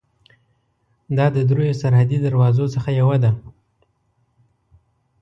دا د درېیو سرحدي دروازو څخه یوه ده.